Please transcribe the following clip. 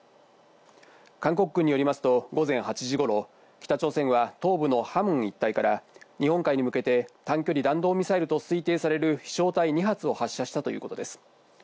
韓国軍によりますと午前８時頃、北朝鮮は東部のハムン一帯から日本海に向けて短距離弾道ミサイルと推定される飛翔体２発を発射したということです。